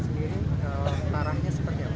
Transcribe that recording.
sebab jalan tak ada yang rusak